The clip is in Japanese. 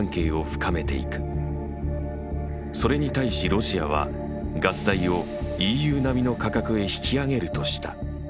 それに対しロシアはガス代をＥＵ並みの価格へ引き上げるとした。